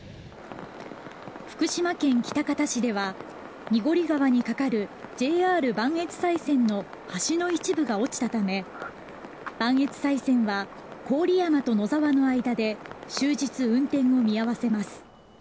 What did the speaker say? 福島県喜多方市では濁川に架かるＪＲ磐越西線の橋の一部が落ちたため磐越西線は郡山と野沢の間で終日運転を見合わせます。